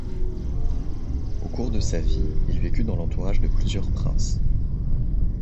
Au cours de sa vie, il vécut dans l'entourage de plusieurs princes.